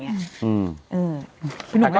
พี่หนุ่มเรียกเลยครับ